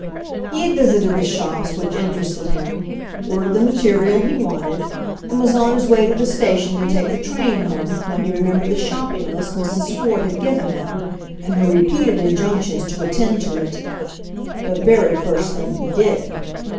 He had visited the shops which interested him, ordered the material he wanted, and was on his way to the station to take the train home when he remembered the shopping list Mrs. Ford had given him, and her repeated injunctions to attend to it "the very first thing he did."